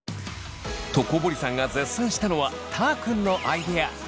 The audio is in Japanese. と小堀さんが絶賛したのはたーくんのアイデア。